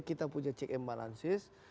kita punya check and balances